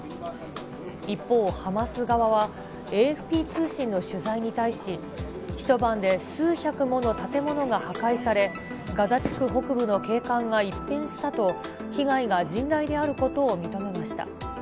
一方、ハマス側はＡＦＰ通信の取材に対し、一晩で数百もの建物が破壊され、ガザ地区北部の景観が一変したと、被害が甚大であることを認めました。